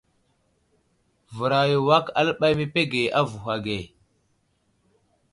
Vəraw i awak aləɓay məpege avohw age.